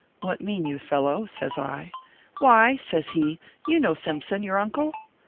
" What mean you, fellow ?" says I. "Why," says he, "you know Simpson, your uncle ?"